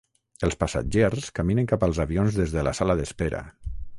Els passatgers caminen cap als avions des de la sala d'espera.